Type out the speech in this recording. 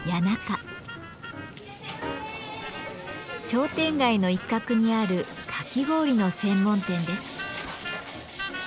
商店街の一角にあるかき氷の専門店です。